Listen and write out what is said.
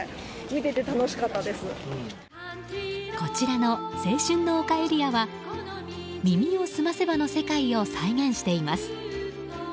こちらの青春の丘エリアは「耳をすませば」の世界を再現しています。